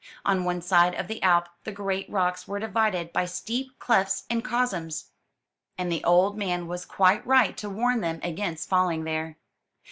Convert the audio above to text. On one side of the Alp the great rocks were divided by steep clefts and chasms, and the old man was quite 280 UP ONE PAIR OF STAIRS right to warn them against falHng there.